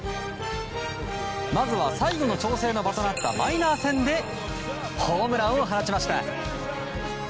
まずは、最後の調整の場となったマイナー戦でホームランを放ちました。